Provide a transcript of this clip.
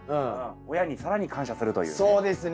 親に更に感謝するというね。